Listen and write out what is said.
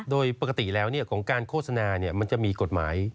โดยปกติแล้วของการโฆษณามันจะมีกฎหมาย